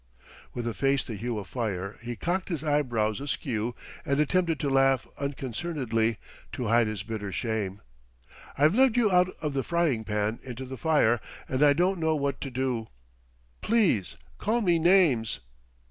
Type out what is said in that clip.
With a face the hue of fire, he cocked his eyebrows askew and attempted to laugh unconcernedly to hide his bitter shame. "I've led you out of the fryingpan into the fire, and I don't know what to do! Please call me names."